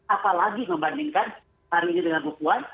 apalagi membandingkan hari ini dengan bukuan